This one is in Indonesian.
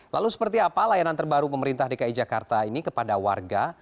lalu seperti apa layanan terbaru pemerintah dki jakarta ini kepada warga